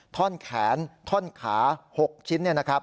ท่อนแขนท่อนขา๖ชิ้น